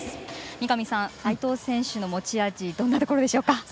三上さん、齋藤選手の持ち味はどんなところですか。